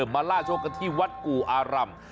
มาล่าโชคกันที่วัดกู่อารำ